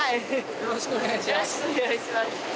よろしくお願いします